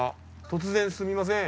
突然すいません。